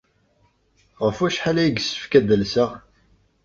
Ɣef wacḥal ay yessefk ad d-alseɣ?